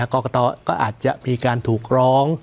กรกตก็อาจจะมีการถูกร้อง